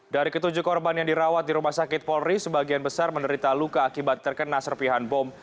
dari ketujuh korban yang dirawat di rumah sakit polri sebagian besar menderita luka akibat terkena serpihan bom